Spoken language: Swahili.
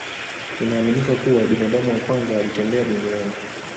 Inaaminika kuwa binadamu wa kwanza alitembea duniani